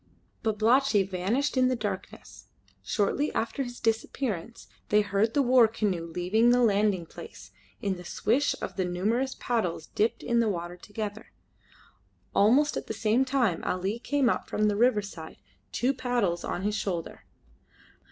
Babalatchi vanished in the darkness. Shortly after his disappearance they heard the war canoe leave the landing place in the swish of the numerous paddles dipped in the water together. Almost at the same time Ali came up from the riverside, two paddles on his shoulder.